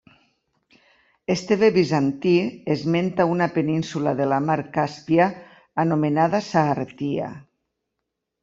Esteve Bizantí esmenta una península de la mar Càspia anomenada Sagàrtia.